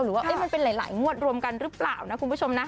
อันนี้งวดเดียวหรือว่ามีหลายงวดรวมกันหรือเปล่าคุณผู้ชมนะ